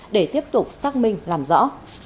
để tiếp tục xác minh làm rõ